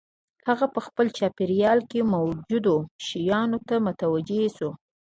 هغه په خپل چاپېريال کې موجودو شيانو ته متوجه شو.